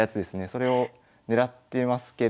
それを狙ってますけれども。